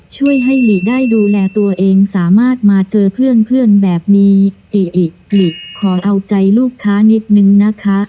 ช่วยให้หลีได้ดูแลตัวเองสามารถมาเจอเพื่อนเพื่อนแบบนี้เออิหลีขอเอาใจลูกค้านิดนึงนะคะ